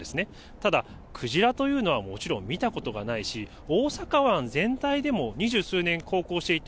ただ、クジラというのは、もちろん見たことがないし、大阪湾全体でも、二十数年航行していて、